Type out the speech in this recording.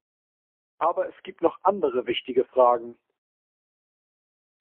Aber es gibt noch andere wichtige Fragen.